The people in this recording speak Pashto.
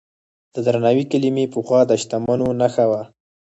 د درناوي کلمې پخوا د شتمنو نښه وه.